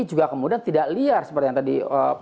juga kemudian tidak liar seperti yang tadi